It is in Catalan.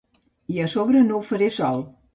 I a sobre no ho faré sol.